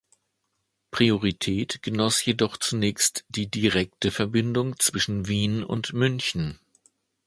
Priorität genoss jedoch zunächst die direkte Verbindung zwischen Wien und München.